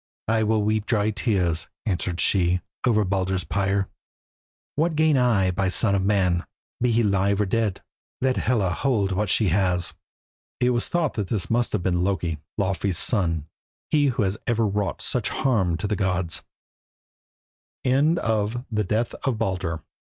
"I will weep dry tears," answered she, "over Baldur's pyre. What gain I by the son of man, be he live or dead? Let Hela hold what she has." It was thought that this must have been Loki, Laufey's son, he who has ever wrought such harm to the gods. THE PUNISHMENT OF LOKI.